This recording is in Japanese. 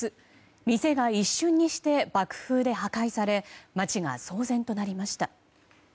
店が一瞬にして爆風で破壊され街が騒然となりました。